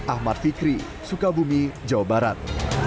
ahmad fikri sukabumi jawa barat